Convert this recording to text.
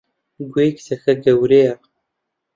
گوێی کچەکە گەورەیە!